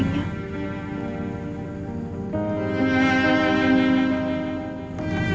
ini semua salah mama